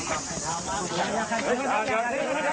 ตอนนี้อย่างไรแล้วนะ